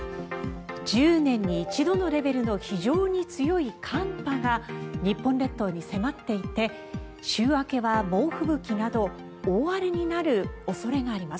１０年に一度のレベルの非常に強い寒波が日本列島に迫っていて週明けは猛吹雪など大荒れになる恐れがあります。